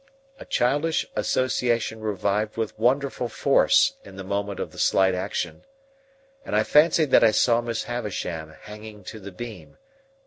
A childish association revived with wonderful force in the moment of the slight action, and I fancied that I saw Miss Havisham hanging to the beam.